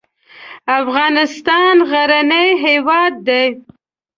افغانستان غرنی هېواد دی.